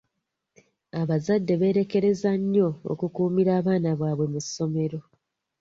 Abazadde beerekereza nnyo okukuumira abaana baabwe mu ssomero.